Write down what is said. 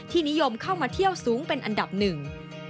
นิยมเข้ามาเที่ยวสูงเป็นอันดับหนึ่ง